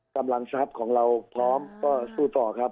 กำลังทรัพย์ของเราพร้อมก็สู้ต่อครับ